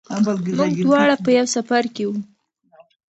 موږ دواړه په یوه سفر کې وو.